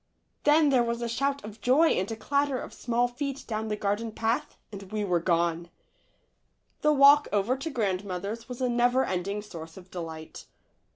Then there was a shout of joy 2 THE LITTLE FORESTERS. and a clatter of small feet down the garden path and we were gone. The walk over to grandmother's was a never ending source of delight.